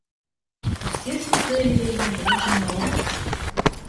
Усе сустрэлі яе дружным рогатам.